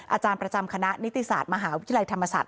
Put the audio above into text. อาจารย์ประจำคณะนิติศาสตร์มหาวิทยาลัยธรรมศาสต